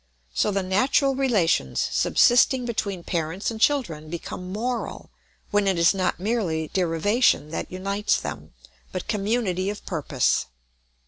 So the natural relations subsisting between parents and children become moral when it is not merely derivation that unites them, but community of purpose.